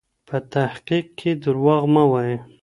په تحقیق کې درواغ مه وایئ.